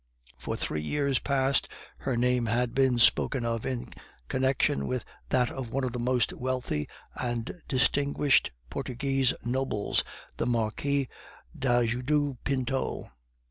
For three years past her name had been spoken of in connection with that of one of the most wealthy and distinguished Portuguese nobles, the Marquis d'Ajuda Pinto.